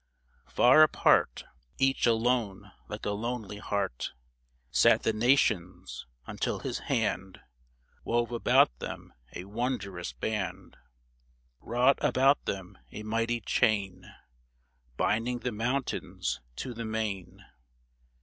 Far apart — Each alone like a lonely heart — Sat the Nations, until his hand Wove about them a wondrous band ; Wrought about them a mighty chain Binding the mountains to the main